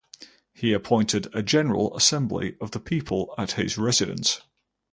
He appointed a general assembly of the people at his residence.